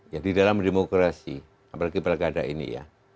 ya di dalam demokrasi apalagi pilkada ini ya